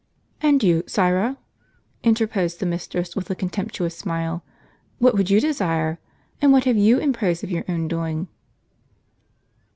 "And you, Syra," interposed the mistress, with a con temptuous smile, "what would you desire? and what have you to praise of your own doing?"